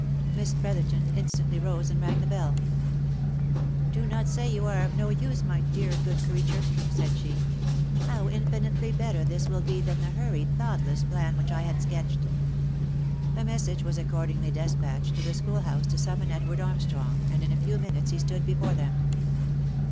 Miss Brotherton instantly rose and rang the bell. " Do not say you are of no use, my dear good creature !" said she. " How infinitely better this will be than the hurried, thoughtless plan which I had sketched !" A message was accordingly despatched to the schoolhouse to sum mon Edward Armstrong, and in a few minutes he stood before them.